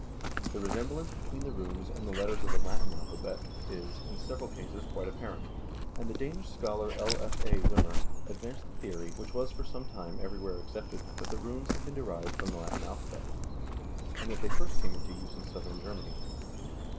The resemblance between the runes and the letters of the Latin alpha bet is, in several cases, quite apparent, and the Danish scholar L. F. A. Wimmer advanced the theory, which was for some time everywhere accepted, that the runes have been derived from the Latin alphabet, and that they first came into use in southern Germany.